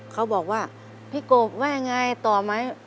เขาบอกว่าพี่กบว่ายังไงต่อไหม